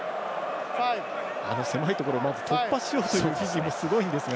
狭いところまず突破しようというフィジーもすごいんですが。